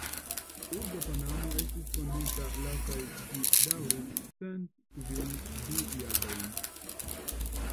Urbo Panamo estis fondita la kaj ĝi daŭris cent kvindek du jarojn.